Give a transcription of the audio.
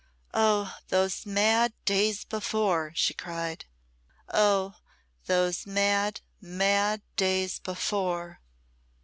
"Oh! those mad days before!" she cried "Oh! those mad, mad days before!"